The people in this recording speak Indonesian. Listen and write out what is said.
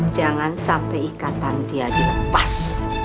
jangan sampai ikatan dia di lepas